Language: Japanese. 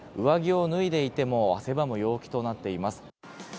上着を脱いでいても汗ばむ陽気となっています。